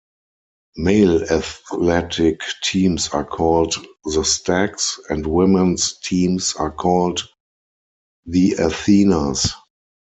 Male athletic teams are called the Stags, and women's teams are called the Athenas.